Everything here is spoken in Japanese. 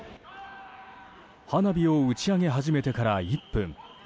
花火を打ち上げ始めてから１分。